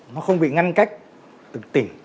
nó không bị ngăn cách từ tỉnh